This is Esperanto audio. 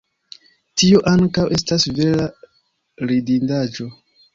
Tio ankaŭ estas vera ridindaĵo.